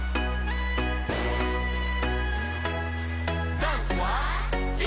ダンスはＥ！